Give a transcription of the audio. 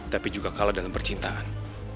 tapi juga kalah dalam percintaan